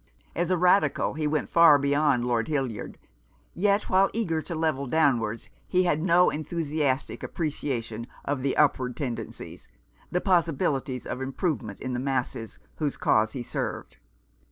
As a Radical he went far beyond Lord Hildyard ; yet while eager to level downwards he had no enthusiastic appreciation of the upward tendencies, the possibilities of improvement, in the masses whose cause he served.